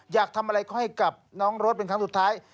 อยากทำอะไรให้กับน้องรถเป็นครั้งสุดท้าย